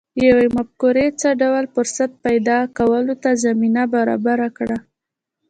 يوې مفکورې څه ډول فرصت پيدا کولو ته زمينه برابره کړه؟